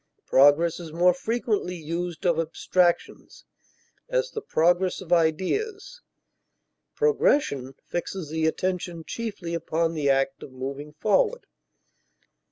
Progress is more frequently used of abstractions; as, the progress of ideas; progression fixes the attention chiefly upon the act of moving forward.